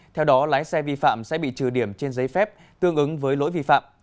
theo đó lái xe vi phạm sẽ bị trừ điểm trên giấy phép tương ứng với lỗi vi phạm